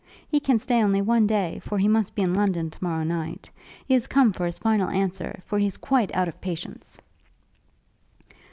He can stay only one day, for he must be in London to morrow night. He is come for his final answer; for he's quite out of patience.'